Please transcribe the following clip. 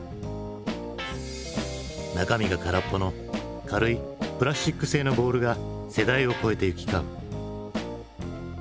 中身が空っぽの軽いプラスチック製のボールが世代を超えて行き交う。